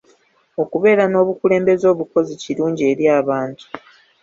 Okubeera n'obukulembeze obukozi kirungi eri abantu.